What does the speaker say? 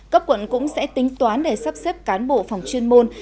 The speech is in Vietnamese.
cấp quận cũng sẽ tính toán để sắp xếp cán bộ phòng chuyên môn